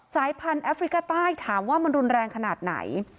สายพันธุ์แอฟริกาใต้ถามว่ามันรุนแรงขนาดไหน